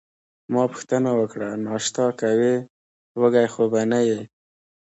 ما پوښتنه وکړه: ناشته کوې، وږې خو به نه یې؟